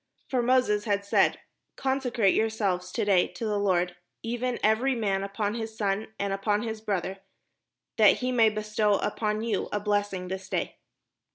For Moses had said, " Consecrate yourselves to day to the Lord, even every man upon his son, and upon his brother; that he may bestow upon you a blessing this day."